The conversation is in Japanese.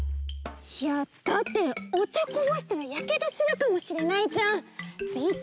いやだっておちゃこぼしたらやけどするかもしれないじゃん！